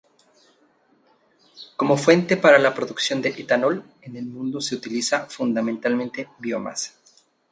Como fuente para la producción de etanol en el mundo se utiliza fundamentalmente biomasa.